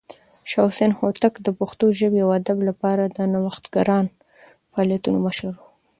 شاه حسين هوتک د پښتو ژبې او ادب لپاره د نوښتګران فعالیتونو مشر و.